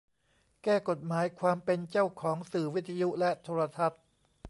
แก้กฎหมายความเป็นเจ้าของสื่อวิทยุและโทรทัศน์